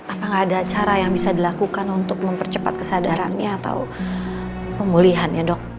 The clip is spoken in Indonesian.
apa tidak ada cara yang bisa dilakukan untuk mempercepat kesadarannya atau pemulihannya dok